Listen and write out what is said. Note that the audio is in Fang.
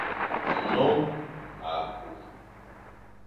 Nnôm à ku.